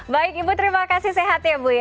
baik ibu terima kasih sehat ya bu ya